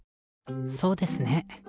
そうですね。